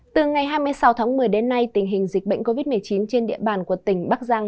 từ ngày hai mươi sáu tháng một mươi đến nay tình hình dịch bệnh covid một mươi chín trên địa bàn của tỉnh bắc giang